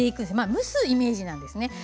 蒸すイメージなんですね。